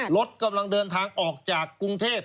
รถกำลังเดินทางออกจากกรุงเทพ